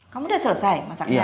kamu udah selesai masaknya